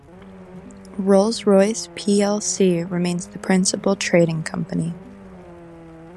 Rolls-Royce plc remains the principal trading company.